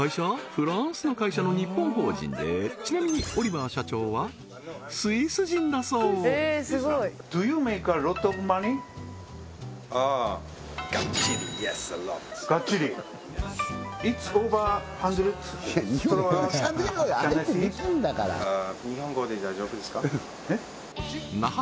フランスの会社の日本法人でちなみにオリバー社長はスイス人だそうＹｅｓａｌｏｔ